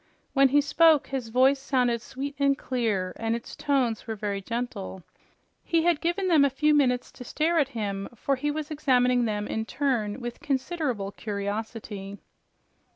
When he spoke, his voice sounded sweet and clear, and its tones were very gentle. He had given them a few moments to stare at him, for he was examining them in turn with considerable curiosity.